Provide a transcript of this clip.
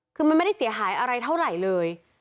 คือมันไม่ได้เสียหายอะไรเท่าไหร่เลย